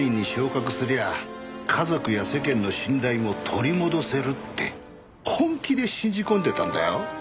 家族や世間の信頼も取り戻せるって本気で信じ込んでたんだよ。